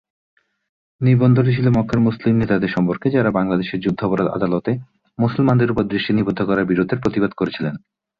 নিবন্ধটি ছিল মক্কার মুসলিম নেতাদের সম্পর্কে যারা বাংলাদেশের যুদ্ধাপরাধ আদালতে মুসলমানদের উপর দৃষ্টি নিবদ্ধ করার বিরুদ্ধে প্রতিবাদ করেছিলেন।